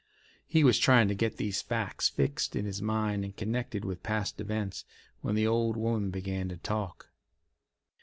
He was trying to get these facts fixed in his mind and connected with past events, when the old woman began to talk.